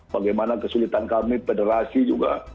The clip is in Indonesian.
bagaimana kesulitan kami federasi juga